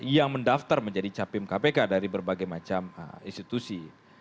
yang mendaftar menjadi capim kpk dari berbagai macam institusi